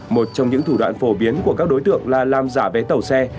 một trong những thủ đoạn phổ biến của các đối tượng là làm giả vé tàu xe